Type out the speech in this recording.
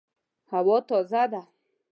هوا تازه ده